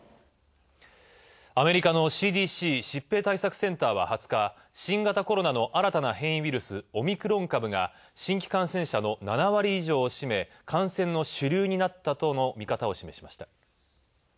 アメリカのＣＤＣ＝疾病対策センターは２０日、新型コロナの新たな変異ウイルス、オミクロン株が新規感染者の７割以上をしめ、感染の主流になったとの見方を示しました。